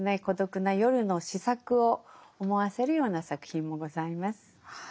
孤独な夜の詩作を思わせるような作品もございます。